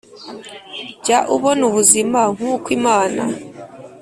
Jya ubona ubuzima nk uko Imana